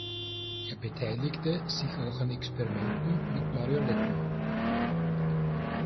Er beteiligte sich auch an Experimenten mit Marionetten.